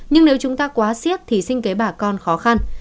nhưng nếu chúng ta quá siết thì sinh kế bà con khó khăn